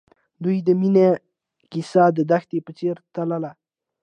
د دوی د مینې کیسه د دښته په څېر تلله.